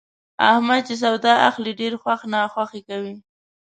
احمد چې سودا اخلي، ډېر خوښ ناخوښ کوي.